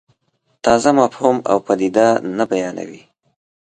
تازه مفهوم او پدیده نه بیانوي.